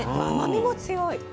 甘みも強い。